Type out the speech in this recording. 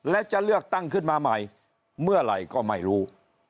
และจะเลือกตั้งขึ้นมาใหม่เมื่อไหร่ก็ไม่รู้